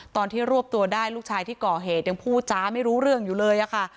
ตอนที่รวบตัวได้ลูกชายที่ก่อเหตุยังพูดจ้าไม่รู้เรื่องอยู่เลยอะค่ะ